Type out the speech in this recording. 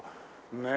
ねえ！